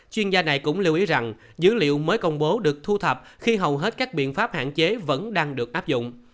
chuyên gia này cũng lưu ý rằng dữ liệu mới công bố được thu thập khi hầu hết các biện pháp hạn chế vẫn đang được áp dụng